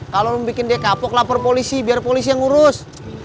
kalau membuat dia kapok lapor polisi biar polisi yang ngurus